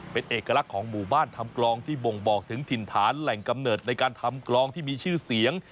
เป็นเอกลักษณ์ของหมู่บ้านทำกลองที่บ่งบอกถึงถิ่นฐานแหล่งกำเนิดในการทำกลองที่มีชื่อเสียง